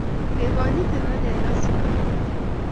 kegonyitin ak kegasin agot